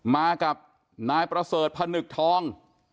มากับนายประเสริฐพนึกทอง